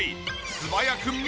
素早く緑！